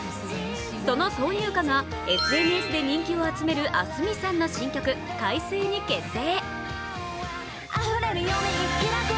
その挿入歌がＳＮＳで人気を集めるａｓｍｉさんの新曲「開青」に決定。